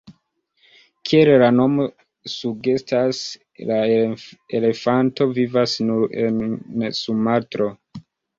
Kiel la nomo sugestas, la elefanto vivas nur en Sumatro.